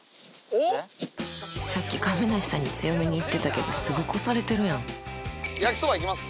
さっき亀梨さんに強めに言ってたけどすぐ越されてるやん焼きそばいきます？